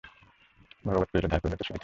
ভাগবত কহিল, ধার করিলে তো শুধিতে হইবে।